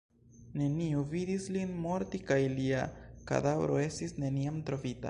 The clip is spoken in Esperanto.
Neniu vidis lin morti kaj lia kadavro estis neniam trovita.